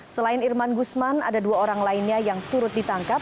selain irman gusman ada dua orang lainnya yang turut ditangkap